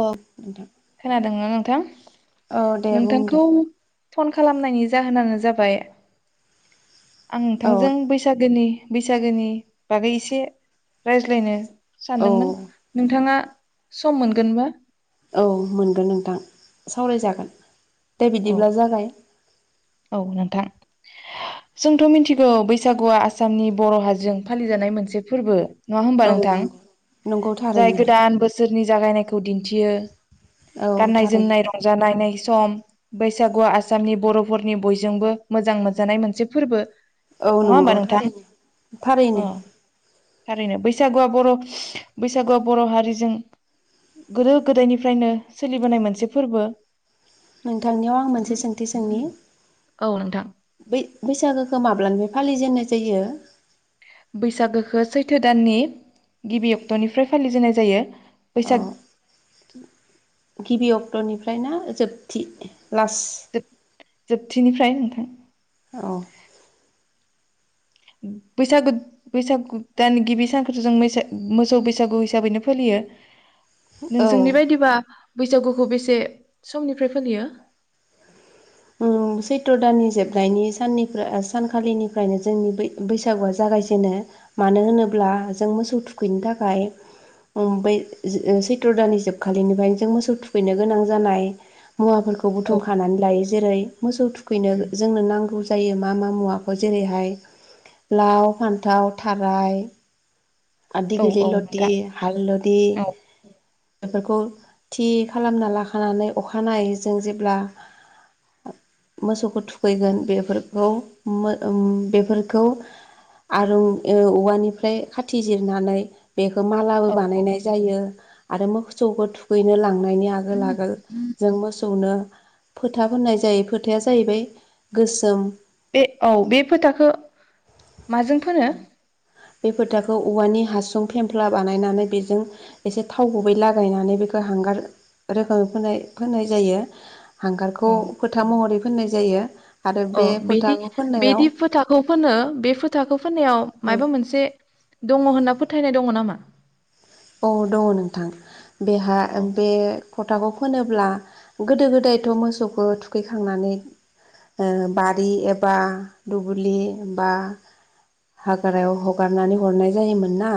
औ नोंथां खोनादोंना नोंथां औ दे बुं नोंथांखौ दे फन खालामनायनि जाहोनानो जाबाय आं औ नोंथांजों बैसागोनि बैसागोनि बागै एसे रायज्लायनो औ सानदोंमोन नोंथांङा सम मोनगोन बा औ मोनगोन नोंथां सावराय जागोन दे औ बिदिब्ला जागाय औ नोंथां जोंथ' मिथिगौ बैसागुआ आसामनि बर' हाजों फालिजानाय मोनसे फोरबो नंङा होमबा औ नोंथां नंगौ नंगौ जाय थारैनो गोदान बोसोरनि जागायनायखौ दिन थियो औ गाननाय थारैनो जोमनाय रंजानायनायनाय सम बैसागुआ आसामनि बर' हरनि बयजोंबो मोजां मोनजानाय मोनसे फोरबो औ नङा होमबा नंगौ नोंथां थारैनो थारैनो अ थारैनो बैसागुआ बर' बैसागुआ बर' हारिजों गोदो गोदायनिफ्रायनो सोलिबोनाय मोनसे फोरबो नोंथांनियाव आं मोनसे सोंथि सोंनि औ नोंथां बै बैसागोखौ माब्लानिफाय फालिजेनाय जायो बैसागोखो सैथो दाननि गिबि अक्ट'निफ्राय फालिजेननाय जायो अ बैसाग गिबि अक्ट'निफ्राय ना जोबथि लास जोब जोबथिनिफ्राय नोंथां औ बैसागु बैसागु दान गिबि सानखौथ जों मैसे मोसौ बैसागु हिसाबैनो फालियो नोंजोंनि औ बायदिबा बैसागुखौ बेसे समनिफ्राय फालियो औ सैथ्र दाननि मुवाफोरखौ औ बुथुमखानानै लायो जेरै मोसौ थुखैनो जोंनो नांगौ जायो मा मा मुवाखौ जेरैहाय लाव फान्थाव थाराय आदि औ गलि औ लतदि नोंथां हालदी औ बेफोरखौ थि खालामना लाखानानै अखानायै जों जेब्ला मोसौखौ थुखैगोन बेफोरखौ मो ओम बेफोरखौ आरो औवानिफ्राय खाथिजिरनानै बेखौ मालाबो औ औ बानायनाय जायो आरो मोसौखौ थुखैनो लांङो थांनायनि आगोल आगोल जों मोसौनो फोथा फोननाय जायो फोथाया जाहैबाय गोसोम बे औ बे फोथाखो माजों फोनो बे फोथाखौ औवानि हासुं फेमफ्ला बानायनानै बिजों थाव गुबै लागायनानै बिखौ हांगार रोखोमै फोन-फोननाय जायो। हांगारखौ अ फोथा महरै फोननाय जायो आरो अ बे बेदि फोथाखौ बेदि फोननायाव फोथाखौ ‌ फोनो बे फोथाखौ फोननायाव औ मायबा मोनसे दङ होनना फोथायनाय दङ नामा औ दङ नोंथां बेहा अ बे फोथाखौ फोनोब्ला गोदो गोदायथ' मोसौखौ थुखैखांनानै ओ बारि एबा दुब्लि बा हाग्रायाव हगारनानै हरनाय जायोमोन ना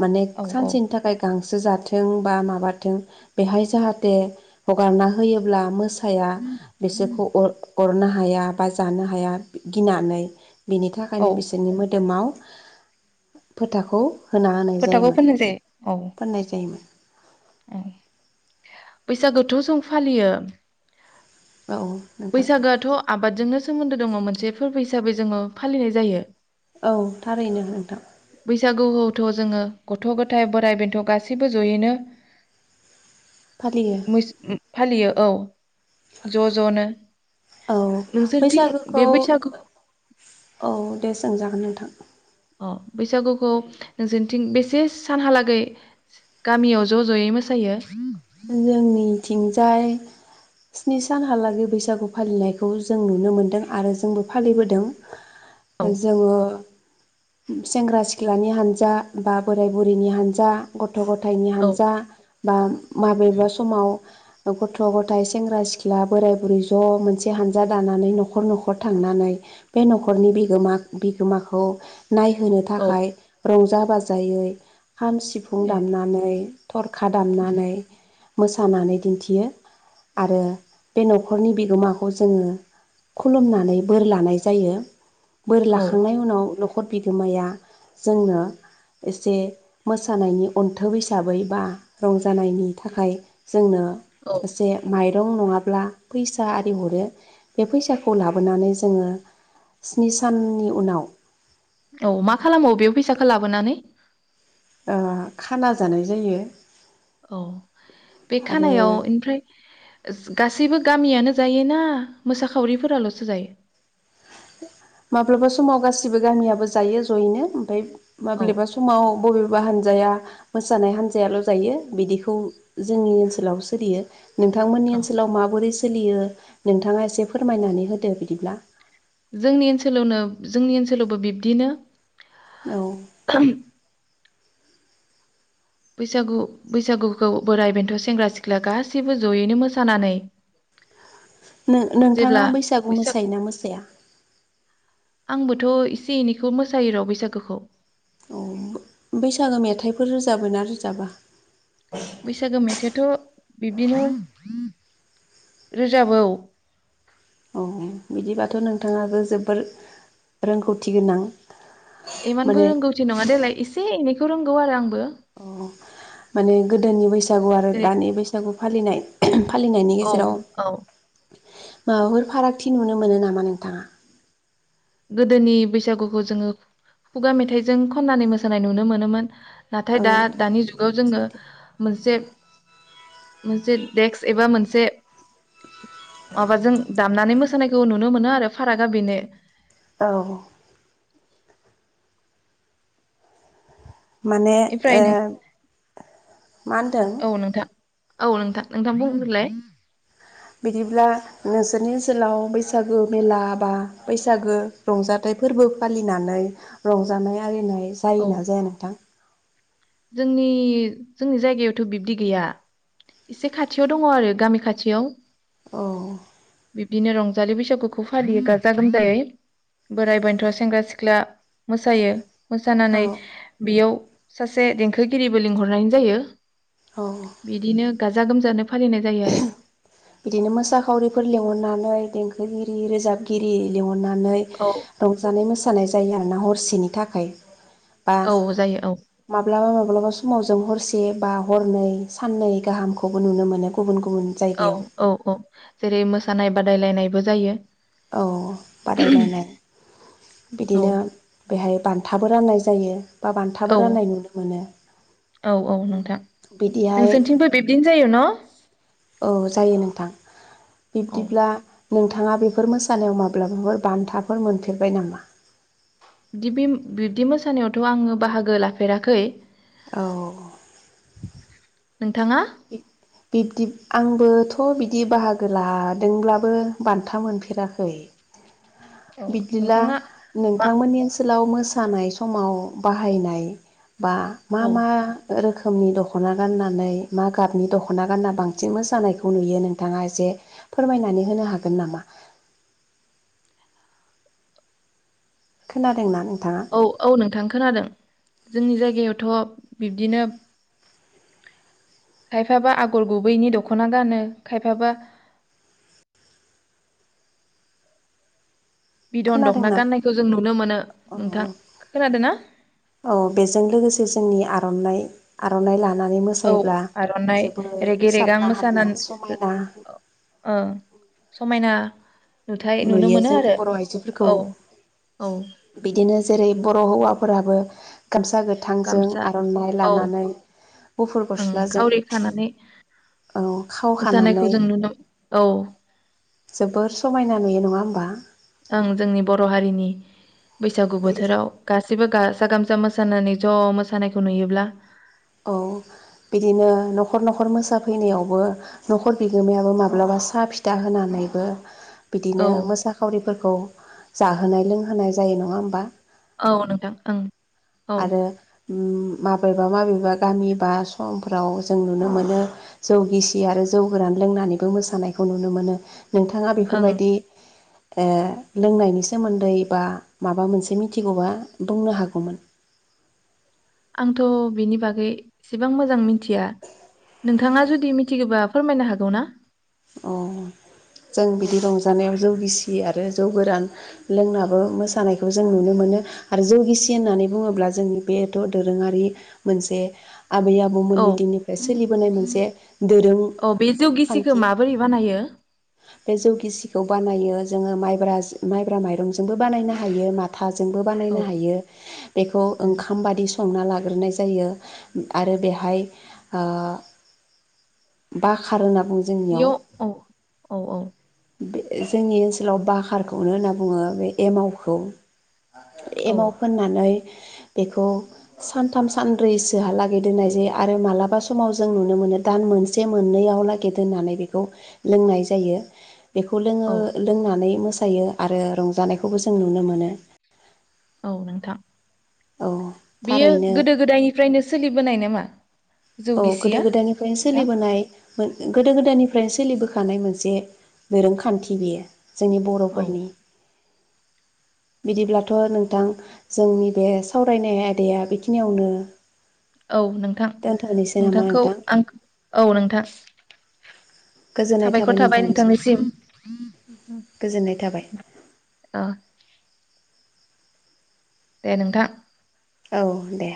माने औ औ सानसेनि थाखाय गांसो जाथों बा माबाथों बेहाय जाहाथे हगारना होयोब्ला मोसो फिसाया बिसोरखौ अर अरनो हाया बा जानो हाया गिनानै बिनि औ थाखायनो बिसोरनि मोदोमाव फोथाखौ फोथाखौ फोननाय जायो औ फोनाय जायोमोन। बैसागोथ' जों फालियो औ नोंथां बैसागोआथ' आबादजोंनो सोमोन्दो दङ मोनसे फोरबो हिसाबै जोङो फालिनाय जायो। औ थारैनो नोंथां बैसागु होथ' जोङो गथ' गथाय बोराइ बेन्थ' गासैबो जयैनो फालियो फालियो औ ज' ज'नो औ नोंसोरथिं बैसागोखौ बे बैसागुखौ औ दे सोंजागोन नोंथां अ बैसागुखौ नोंसोरथिं बेसे सानहालागै गामियाव ज' ज'यै मोसायो जोंनिथिं जाय स्नि सानहालागै बैसागु फालिनायखौ जों नुनो मोनदों आरो जोंबो फालिबोदों औ जोङो सेंग्रा सिख्लानि हानजा बा बोराय बुरैनि हानजा गथ' गथ' गथायाइनि औ हानजा बा माबेबा समाव गथ' गथाय सेंग्रा सिख्ला बोराय बुरै ज' मोनसे हानजा दानानै न'खर न'खर थांनानै बे न'खरनि बिगोमा बिगोमाखौ नायहोनो औ थाखाय रंजा बाजायो खाम सिफुं ए दामनानै थरखा उम, दामनानै मोसानानै दिन्थियो आरो बे न'खरनि बिगोमाखौ जोङो खुलुमनानै बोर लानाय जायो बोर औ लाखांनायनि उनाव नख नखर बिगोमाया जोंनो एसे मोसानायनि अनथोब हिसाबै बा रंजानायनि थाखाय जोंनो औ एसे माइ रं नङाब्ला फैसा आरि हरो बे फैसाखौ लाबोनानै जोङो स्नि साननि उनाव औ मा खालामो बेयाव फैसाखौ लाबोनानै अ खाना जानाय जायो औ बे आरो खानायाव ओमफ्राय गासैबो गामियानो जायो ना मोसाखावरिफोराल'सो जायो? माब्लाबा समाव गासिबो गामियाबो जायो जयैनो ओमफ्राय औ माब्लाबा समाव बबेब बबा हानजाया मोसानाय हानजायाल' जायो बिदिखौ जोंनि ओनसोलाव सोलियो नोंथांमोननि औ ओनसोलाव माबोरै सोलियो नोंथाङा एसे फोरमायनानै होदो बिदिब्ला जोंनि ओनसोलावनो जोंनि ओनसोलावबो बिब्दिनो औ बैसागु बैसागुखौ बोराइ बेन्थ' सेंग्रा सिख्ला गासैबो जयैनो मोसानानै नों- नोंथाङा जेब्ला बैसागु बैसाग मोसायोना मोसाया? आंबोथ' एसे एनैखौ मोसायो र बैसागोखौ अ बैसागो मेथाइफोर रोजाबो ना रोजाबा? बैसागो मेथाइ थ बिब्दिनो रोजाबौ औ बिदिबाथ' नोंथाङाबो जोबोर रोंगौथि गोनां इमानबो माने रोंगौथि नङा देलाय एसे एनै रोंगौ आरो आं अ माने गोदोनि बैसागु आरो जेरै दानि बैसागु फालिनाय फालिनायनि औ गेजेराव औ माबाफोर फारागथि नुनो मोनो नामा नोंथाङा गोदोनि बैसागुखौ जोङो खुगा मेथाइजों खननानै मोसानाय नुनो मोनोमोन नाथाय औ दा दानि थारैनो जुगाव जोङो सैथो। मोनसे। मोनसे देक्स एबा मोनसे। माबाजों दामनानै मो सानायखौ नुनो मोनो आरो फारागा बेनो। औ। माने ओमफ्राय नों मा होनदों। औ नोंथां औ नोंथां नोंथां बुंग्रोलाय। बिदिब्ला नोंसोरनि ओनसोलाव बैसागो मेला बा बैसागो रंजाथाइ फोरबो फालिनानै रंजानाय आरिनाय। औ जायोना जाया नोंथां। जोंनि जोंनि जायगायावथ' बिब्दि गैया एसे खाथियाव दङ आरो गामि खाथियाव । औ। बिब्दिनो रंजालि बैसागुखौ फालियो गाजा गोमजायै बोराइ बेन्थ' सेंग्रा सिख्ला मोसायो। औ मोसानानै बेयाव सासे देंखोगिरिबो लिंहरनाय जायो औ। बिदिनो गाजा गोमजानो फालिनाय जायो आरो। बिदिनो मोसाखावरिफोर लिंहरनानै देंखोगिरि रोजाबगिरि लिंहर नानै औ रंजानाय मोसा मोसानाय जायो आरो ना हरसेनि थाखाय। बा औ जायो औ माब्लाबा माब माब्लाबा समाव जों हरसे बा हरनै साननै गाहामखौबो नुनो मोनो गुबुन गुबुन गुबुन औ जायगायाव। औ औ जेरै मोसानाय बादायलायनायबो जायो । औ बादायलायनाय औ बिदिनो बेहाय बान्थाबो राननाय जायो। बा बान्थाबो औ राननाय नुनो मोनो औ औ नोंथां बिदिहाय नोंसोरथिंबो बिब्दिनो जायो न? औ जायो नोंथां । औ बिब्दिब्ला नोंथाङा बेफोर मोसानायाव माब्लाबाफोर बान्थाफोर मोनफेरबाय नामा? बिदि बे-बिब्दि मोसानायावथ' आङो बाहागो लाफेराखै औ। नोंथाङा? बिब्दि आंबोथ' बिदि बाहागो लादोंब्लाबो बान्था मोनफेराखै । औ बिदिब्ला नोंथाङा मा नोंथांमोननि ओनसोलाव मोसा मोसानाय समाव बाहायनाय बा मा औ मा रोखोम खोमनि दख'ना गाननानै मा गाबनि दख'ना गानना बांसिनबो मोसानायखौ नुयो नोंथाङा एसे फोरमायनानै होनो हागोन नामा? खोनादों ना नों औ औ नोंथां खोनादों। जोंनि जायगायावथ' बिब्दिनो खायफाबा आगर गुबैनि दख'ना गानो खायफाबा बिदन दख'ना खोनादोंना गाननायखौ जों नुनो मोनो औ औ नोंथां खोनादों ना औ बेजों लोगोसे जोंनि आ आरनाइ खारनाइ ला औ आर'नाइ रेगे रेगां साबना हामना मोसानानै समायना ओ समायना नुथाय नुनो नुयो मोनो जोंनि आरो बर' आइजोफोरखौ औ औ । बिदिनो जेरै बर' हौवाफोराबो गामसा गोथांजों गामसा आर'नाइ औ लानानै गुफुर ओं गस्लाजों खावरि खानानै औ खाव मोसानायखौ हानानै जों नुनो औ जोबोर सम नुयो नङा होमबा ओं जोंनि बर' हारिनि बैसागु बोथोराव गासै जेबो गाजा गामसा मोसानानै ज' मोसानायखौ नुयोब्ला औ बिदिनो न'खर न'खर मोसाफैनायावबो न'खर बिगोमायाबो माब्लाबा साहा फिथा होनानैबो बिदिनो औ मोसाखावरिफोरखौ जा होनाय लोंहोनाय जायो नङा होमबा औ नोंथां ओं औ आरो माबेबा माबेबा गामि बा समफ्राव जों नुनो मोनो जौ गिसि आरो जौ गोरान लोंनानैबो मोसानायखौ नुनो मोनो नोंथाङा ओं बेफोरबायदि ओ लोंनायनि सोमोन्दै बा माबा मोनसे मिथिगौबा बुंनो हागौमोन आंथ' बिनि बागै एसेबां मोजां मिथिया नोंथाङा जुदि मिथिगौबा फोरमायनो हागौ ना अ जों बिदि रंजानायाव जौगिसि आरो जौ गोरान लोंनाबो मोसानायखौ जों नुनो मोनो आरो जौ गिसि होननानै बुङोब्ला जोंनि बेथ' दोरोङारि मोनसे आबै औ आबौमोननि दिननिफ्राय सोलिबोनाय मोनसे दोरों औ बे जौ गिसिखौ खान्थि माबोरै बानायो बे जौ गिसिखौ बानायो जोङो माइब माइब्रा माइरंजोंबो बानायनो हायो माथा थाजोंबो औ बानायनो हायो बेखौ उम ओंखाम बादि संना ला लागोरनाय जायो आरो बेहाय ओ बाखार होनना बुङो जोंनियाव बेयाव औ औ औ बे जोंनि ओनसोलाव बाखारखौनो होनना बुङो बे एमावखौ औ एमाव फोननानै बेखौ सानथाम सानब्रैसोहालागै दोननाय जायो आरो मालाबा समाव जों नुनो मोनो दान मोनसे मोननैयाव लागि दोननानै बेखौ लोंनाय जायो जायो बेखौ लोङो औ लोंनानै मो जायो आरो रंजानायखौबो जों नुनो मोनो। औ नोंथां। औ बेयो थारैनो गोदो गोदायनिफ्रायनो सोलिबोनाय नामा? जौ औ गोदो गिसिया गोदायनिफ्रायनो नोंथां सोलिबोनाय। गोदो गोदायनिफ्रायनो सोलिबोखानाय मोनसे दोरोंखान्थि बेयो। जोंनि औ बर'फोरनि बिदिब्लाथ' नोंथां जोंनि बे सावरायनाय आयदाया बेखिनियावनो औ नोंथां। दोनथ'नोसै नामा नोंथांखौ नोंथां आं औ नोंथां। साबायखर थाबाय नोंथांनिसिम गोजोननाय थाबाय अ। दे नोंथां। औ दे।